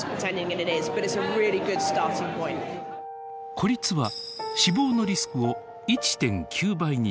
孤立は死亡のリスクを１．９倍に高めます。